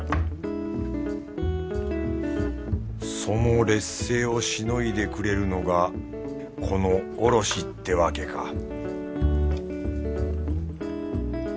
その劣勢をしのいでくれるのがこのおろしってわけか